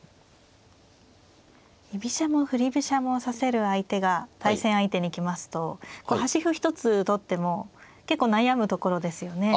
居飛車も振り飛車も指せる相手が対戦相手に来ますと端歩一つとっても結構悩むところですよね。